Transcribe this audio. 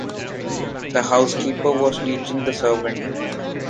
The housekeeper was teaching the servant.